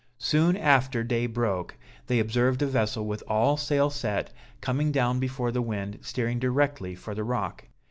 Soon after day broke, they observed a vessel with all sail set, coming down before the wind, steering directly for the rock.